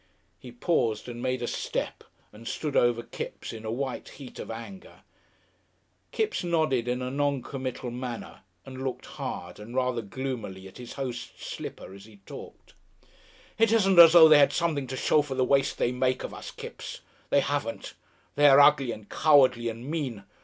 He paused and made a step, and stood over Kipps in a white heat of anger. Kipps nodded in a non commital manner and looked hard and rather gloomily at his host's slipper as he talked. "It isn't as though they had something to show for the waste they make of us, Kipps. They haven't. They are ugly and cowardly and mean.